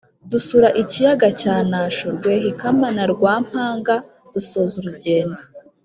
dusura ikiyaga cya nasho, rwehikama na rwampaga, dusoza urugendo